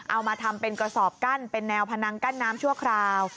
เอามาทำเป็นกระสอบกั้นเป็นแนวพนังกั้นน้ำชั่วคราว